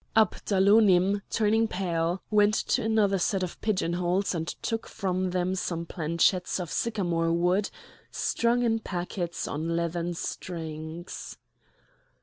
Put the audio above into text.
Abdalonim, turning pale, went to another set of pigeon holes, and took from them some planchettes of sycamore wood strung in packets on leathern strings.